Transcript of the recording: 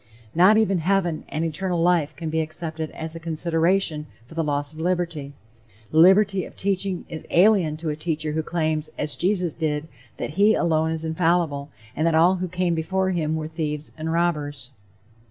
Not even heaven and eternal life can be accepted as a consideration for the loss of liberty. The liberty of teaching is alien to a teacher who claims, as Jesus did, that he alone is infallible, and that all who came before him were "thieves and robbers."